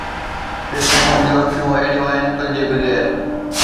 ڏس، منهنجون اکيون اهڙيون آهن، تنهنجي بغير.